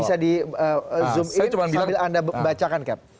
bisa di zoom in sambil anda bacakan cap